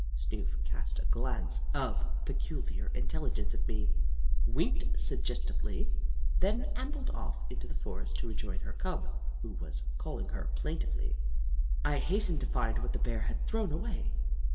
" Snoof cast a glance of peculiar intelligence Snoof 1"] at me, winked suggestively, then ambled off into the forest to rejoin her Cub, who was calling her plaintively. I hastened to find what the Bear had thrown away.